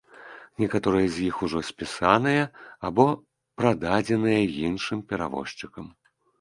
Некаторыя з іх ужо спісаныя або прададзеныя іншым перавозчыкам.